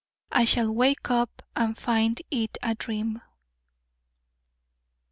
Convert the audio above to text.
"I SHALL WAKE UP AND FIND IT A DREAM."